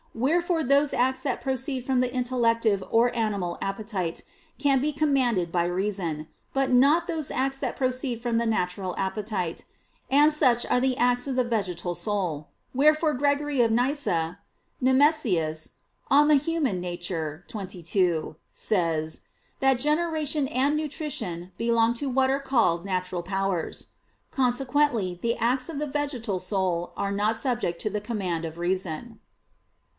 Wherefore those acts that proceed from the intellective or the animal appetite, can be commanded by reason: but not those acts that proceed from the natural appetite. And such are the acts of the vegetal soul; wherefore Gregory of Nyssa (Nemesius, De Nat. Hom. xxii) says "that generation and nutrition belong to what are called natural powers." Consequently the acts of the vegetal soul are not subject to the command of reason.